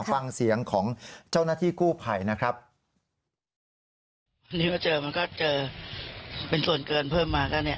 ฟังเสียงของเจ้าหน้าที่กู้ไผ่นะครับนี่ก็เจอมันก็เจอเป็นส่วนเกินเพิ่มมาก็เนี้ย